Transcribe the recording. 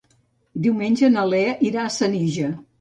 Diumenge na Lea irà a Senija.